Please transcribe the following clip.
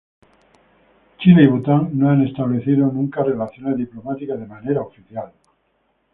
Chile y Bután no han establecido nunca relaciones diplomáticas de manera oficial.